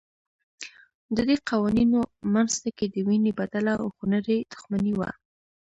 ددې قوانینو منځ ټکی د وینې بدله او خونړۍ دښمني وه.